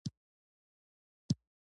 زما په لیدلو نور ځوانان اسلام ته ترغیب شي.